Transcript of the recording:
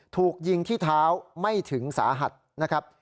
ถูกยิงที่เท้าไม่ถึงสาหัสนะครับ